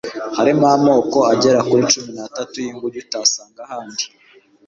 harimo amoko agera kuri cumi n'atatu y'inguge utasanga ahandi